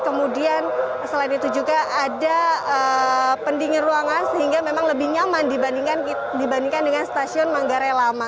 kemudian selain itu juga ada pendingin ruangan sehingga memang lebih nyaman dibandingkan dengan stasiun manggarai lama